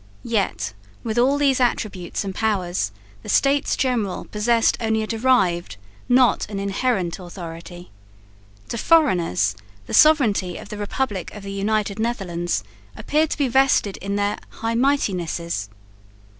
Yet with all these attributes and powers the States General possessed only a derived, not an inherent, authority. To foreigners the sovereignty of the republic of the United Netherlands appeared to be vested in their "High Mightinesses."